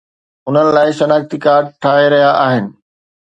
انهن لاءِ شناختي ڪارڊ ٺاهي رهيا آهن